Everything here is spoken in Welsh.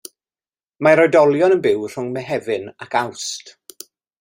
Mae'r oedolion yn byw rhwng Mehefin ac Awst.